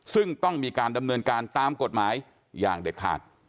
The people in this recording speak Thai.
ซึ่งต้องมีการดำเนินการตามกฎหมายอย่างเด็ดขาด